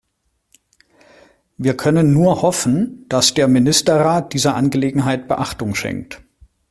Wir können nur hoffen, dass der Ministerrat dieser Angelegenheit Beachtung schenkt.